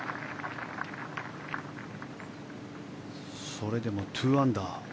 それでも２アンダーです。